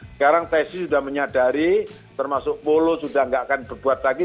sekarang psi sudah menyadari termasuk polo sudah tidak akan berbuat lagi